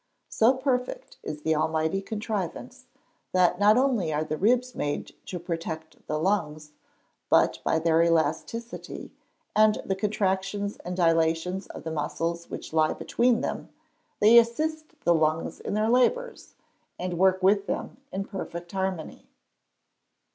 So perfect is the Almighty contrivance, that not only are the ribs made to protect the lungs, but, by their elasticity, and the contractions and dilations of the muscles which lie between them, they assist the lungs in their labours, and work with them in perfect harmony.